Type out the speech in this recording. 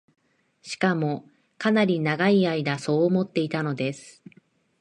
しかも、かなり永い間そう思っていたのです